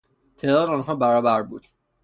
تعداد آنها برابر بود.